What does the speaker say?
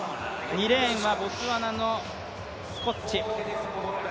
２レーンはボツワナのスコッチ。